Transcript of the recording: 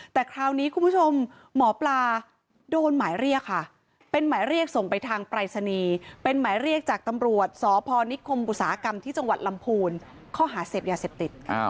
แต่คราวนี้คุณผู้ชมหมอปลาโดนหมายเรียกค่ะเป็นหมายเรียกส่งไปทางปรายศนีย์เป็นหมายเรียกจากตำรวจสพนิคมอุตสาหกรรมที่จังหวัดลำพูนข้อหาเสพยาเสพติด